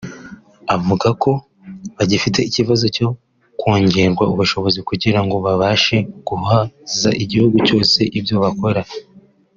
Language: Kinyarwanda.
Avuga ko bagifite ikibazo cyo kongererwa ubushobozi kugira ngo babashe guhaza igihugu cyose ibyo bakora